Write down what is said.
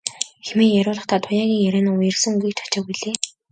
хэмээн хариулахдаа Туяагийн ярианы уярсан өнгийг ч ажаагүй билээ.